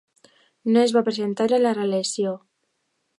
No es va presentar a la reelecció.